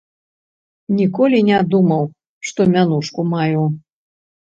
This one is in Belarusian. Ніколі не думаў, што мянушку маю.